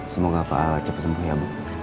semoga pak a cepat sembuh ya bu